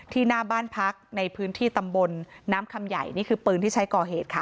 หน้าบ้านพักในพื้นที่ตำบลน้ำคำใหญ่นี่คือปืนที่ใช้ก่อเหตุค่ะ